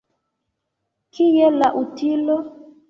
Kie la utilo?